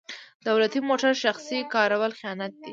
دولتي موټر شخصي کارول خیانت دی.